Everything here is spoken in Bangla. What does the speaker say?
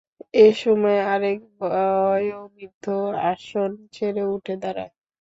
এ সময় আরেক বয়োবৃদ্ধ আসন ছেড়ে উঠে দাঁড়ায়।